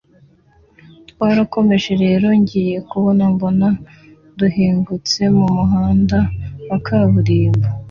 twarakomeje rero, ngiye kubona mbona duhingutse mumuhanda wa kaburimbo